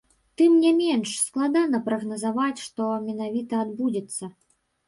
Тым не менш, складана прагназаваць, што менавіта адбудзецца.